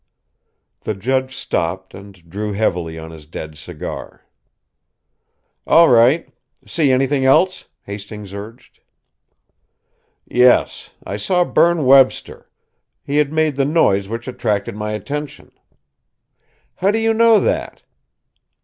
The judge stopped and drew heavily on his dead cigar. "All right. See anything else?" Hastings urged. "Yes; I saw Berne Webster. He had made the noise which attracted my attention." "How do you know that?"